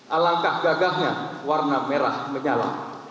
alangkah gagahnya warna merah menyala